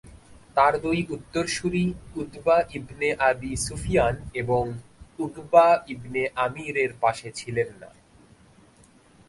তার দুই উত্তরসূরী উতবা ইবনে আবী সুফিয়ান এবং উকবা ইবনে আমির এর পাশে ছিলেন না।